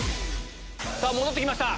さぁ戻って来ました！